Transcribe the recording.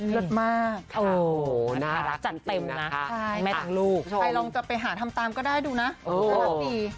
เยอะมากโอ้โหน่ารักจันเต็มนะใครลองจะไปหาทำตามก็ได้ดูนะน่ารักดี